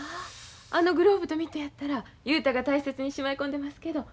あのグローブとミットやったら雄太が大切にしまい込んでますけど。